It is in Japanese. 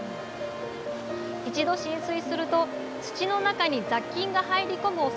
一度浸水すると土の中に雑菌が入り込む恐れがあります。